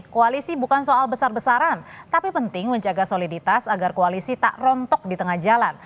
koalisi bukan soal besar besaran tapi penting menjaga soliditas agar koalisi tak rontok di tengah jalan